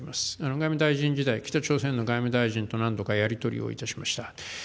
外務大臣時代、北朝鮮の外務大臣と何度かやり取りをいたしました。